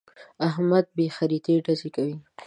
احمد بې خريطې ډزې کوي.